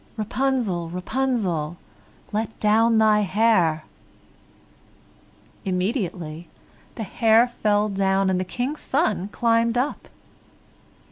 "Rapunzel, Rapunzel, Let down your hair." Immediately the hair fell down, and the King's son climbed up.